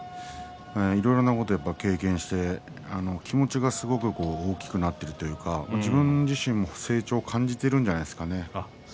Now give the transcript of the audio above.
いろんなことを経験して気持ちがすごく大きくなっているというか自分自身の成長を感じているんじゃないでしょうか。